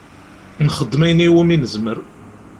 Nxeddem ayen iwimi nezmer.